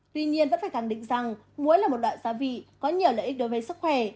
tuy nhiên vẫn phải khẳng định rằng múa là một loại gia vị có nhiều lợi ích đối với sức khỏe